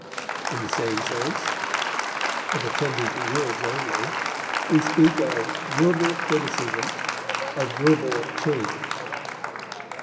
In the same sense, of attending to words only, we speak of verbal criticism, a verbal change.